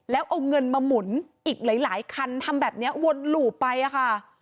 แล้วเอาเงินมาหมุนอีกหลายคันทำแบบนี้วนหลู่ไปอะค่ะ